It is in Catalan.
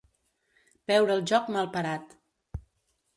Veure el joc mal parat.